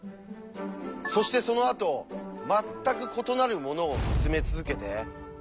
そしてそのあと全く異なるものを見つめ続けて。